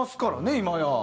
今や。